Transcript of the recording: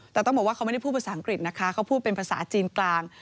แต่ต้องบอกว่าเขาไม่ได้พูดภาษาอังกฤษนะคะเขาพูดเป็นภาษาจีนกลาง